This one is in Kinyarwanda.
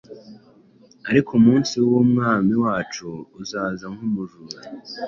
Ariko umunsi w’Umwami wacu uzaza nk’umujura,